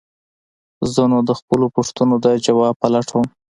زه نو د خپلو پوښتنو د ځواب په لټه وم.